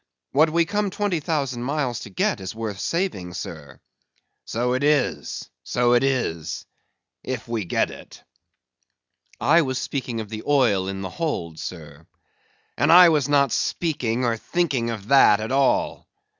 What we come twenty thousand miles to get is worth saving, sir." "So it is, so it is; if we get it." "I was speaking of the oil in the hold, sir." "And I was not speaking or thinking of that at all.